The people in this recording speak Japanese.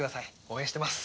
応援してます。